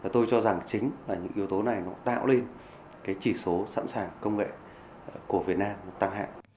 tôi cho rằng chính là những yếu tố này nó tạo lên cái chỉ số sẵn sàng công nghệ của việt nam tăng hạng